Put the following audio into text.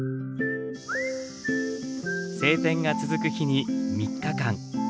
晴天が続く日に３日間。